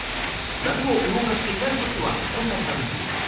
何も動かしていない時はこんな感じ。